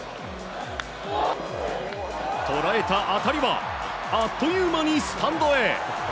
捉えた当たりはあっという間にスタンドへ。